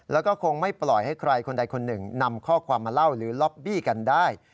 แล้วก็คงไม่ปล่อยให้ใครคนใดคนหนึ่งนำข้อความมาเล่าหรือล็อบบี้กันได้